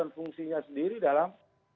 fungsinya sendiri dalam